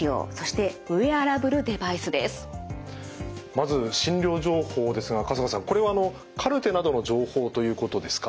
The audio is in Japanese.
まず診療情報ですが春日さんこれはあのカルテなどの情報ということですか？